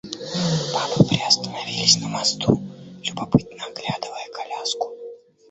Бабы приостановились на мосту, любопытно оглядывая коляску.